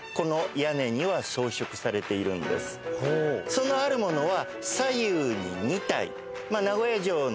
そのあるものは。